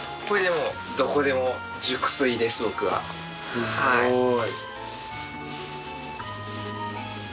すごい。